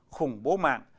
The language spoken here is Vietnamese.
khủng bố mạng